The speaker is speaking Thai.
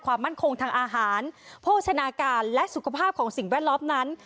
ความมั่นคงทางอาหารโภชนาการและสุขภาพของสิ่งแวดล้อมนั้น